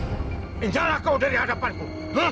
menjara kau dari hadapanku